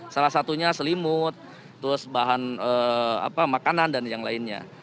salah satunya selimut terus bahan makanan dan yang lainnya